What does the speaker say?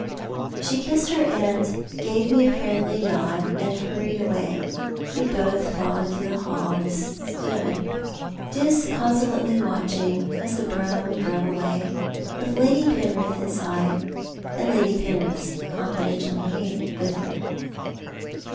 She kissed her aunt, gave me a friendly nod, and hurried away. We both followed to the hall, and stood disconsolately watching as the brougham drove away, with Lady Penrith inside, and Lady Penrith's confidential maid with her.